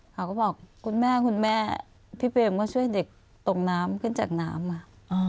เขาก็บอกคุณแม่คุณแม่พี่เบมก็ช่วยเด็กตกน้ำขึ้นจากน้ำมา